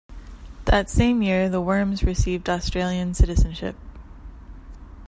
That same year the Wurms received Australian citizenship.